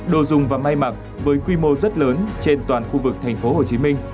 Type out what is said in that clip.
đồ dùng và may mặc với quy mô rất lớn trên toàn khu vực tp hcm